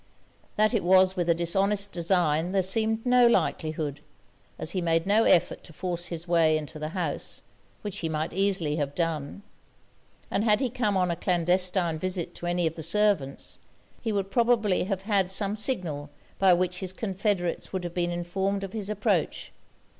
That it was with a dishonest design there seemed no likelihood, as he made no effort to force his way into the house, which he might easily have done; and had he come on a clandestine visit to any of the servants, he would probably have had some signal by which his confederates would have been informed of his approach.